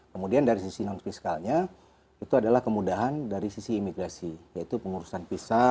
kemudian dari sisi non fiskalnya itu adalah kemudahan dari sisi imigrasi yaitu pengurusan visa